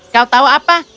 kau tahu apa